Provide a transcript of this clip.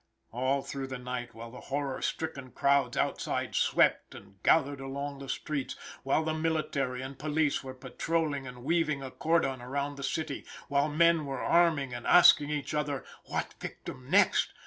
All through the night, while the horror stricken crowds outside swept and gathered along the streets, while the military and police were patrolling and weaving a cordon around the city; while men were arming and asking each other, "What victim next?"